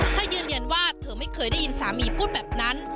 เธอยืนยันว่าเธอไม่เคยได้ยินสามีพูดแบบนั้น